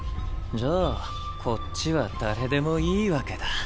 じゃあこっちは誰でもいいわけだ。